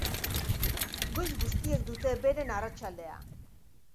Goiz guztiek dute beren arratsaldea.